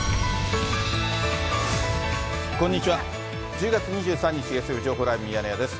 １０月２３日月曜日、情報ライブミヤネ屋です。